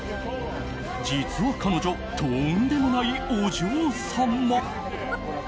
実は彼女、とんでもないお嬢様。